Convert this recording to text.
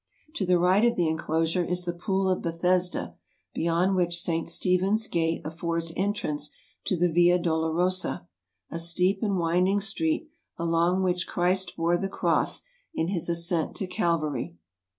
To the right of the enclosure is the Pool of Bethesda, beyond which St. Stephen's Gate affords en trance to the Via Dolorosa, a steep and winding street, along which Christ bore the Cross in his ascent to Calvary.